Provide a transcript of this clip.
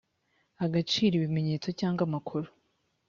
agaciro ibimenyetso cyangwa amakuru